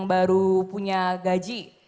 baru punya gaji